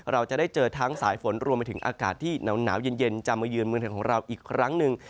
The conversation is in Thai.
เราจะได้เจอทั้งสายฝนรวมไปถึงอากาศที่หนาวเย็นจะมายืนเมืองไทยของเราอีกครั้งหนึ่ง